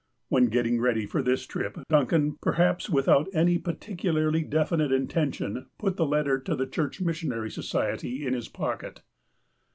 When getting ready for this trip, Duncan, perhaps without any particularly definite intention, put the letter to the Church Missionary Society in his pocket.